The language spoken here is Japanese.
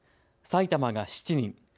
埼玉が７人。